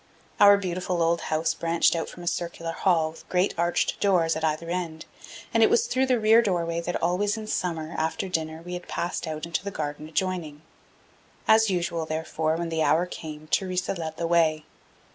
Our beautiful old house branched out from a circular hall with great arched doors at either end; and it was through the rear doorway that always in summer, after dinner, we passed out into the garden adjoining. As usual, therefore, when the hour came, Theresa led the way.